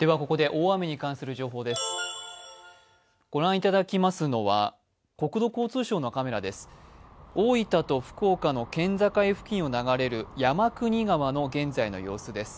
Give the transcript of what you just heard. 大分と福岡の県境付近を流れる山国川の現在の様子です。